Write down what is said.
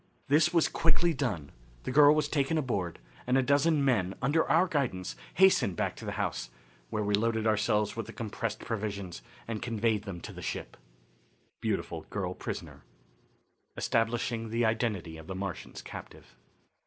This was quickly done, the girl was taken aboard, and a dozen men, under our guidance, hastened back to the house, where we loaded ourselves with the compressed provisions and conveyed them to the ship. Beautiful Girl Prisoner. Establishing the Identity of the Martians' Captive.